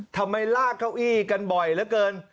ลากเก้าอี้กันบ่อยเหลือเกิน